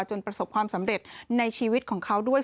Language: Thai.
ประสบความสำเร็จในชีวิตของเขาด้วย